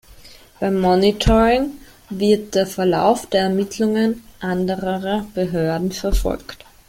Beim Monitoring wird der Verlauf der Ermittlungen anderer Behörden verfolgt.